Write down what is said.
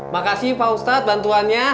makasih pak ustad bantuannya